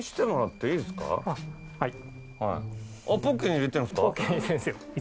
はい。